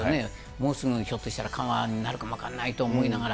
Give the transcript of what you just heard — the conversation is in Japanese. もうすぐ、ひょっとしたら緩和になるかも分かんないと思いながら。